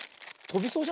とびそう。